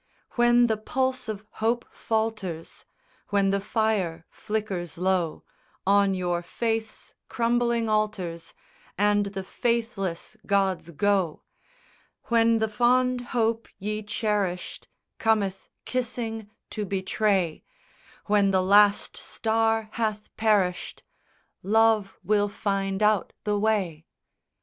"_ II _When the pulse of hope falters, When the fire flickers low On your faith's crumbling altars, And the faithless gods go; When the fond hope ye cherished Cometh, kissing, to betray; When the last star hath perished, "Love will find out the way."